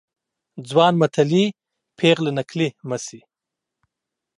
ځوان متلي ، پيغله نکلي مه سي.